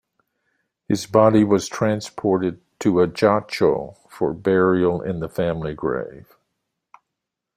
His body was transported to Ajaccio for burial in the family grave.